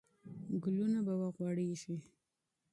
ګلونه به وغوړېږي.